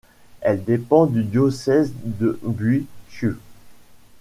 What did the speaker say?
Elle dépend du diocèse de Bùi Chu.